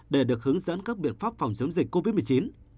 để được hướng dẫn các biện pháp phòng chống dịch covid một mươi chín